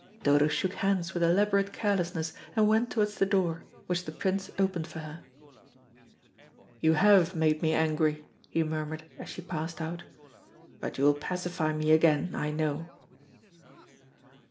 "Dodo shook hands with elaborate carelessness and went towards the door, which the Prince opened for her. "You have made me angry," he murmured, as she passed out, "but you will pacify me again, I know."